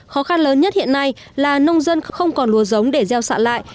khó khăn lớn nhất hiện nay là nông dân không còn lúa giống để gieo xạ lại